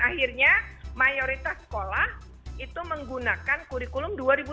akhirnya mayoritas sekolah itu menggunakan kurikulum dua